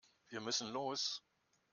Wir müssen los.